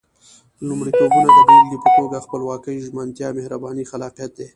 لومړيتوبونه د بېلګې په توګه خپلواکي، ژمنتيا، مهرباني، خلاقيت دي.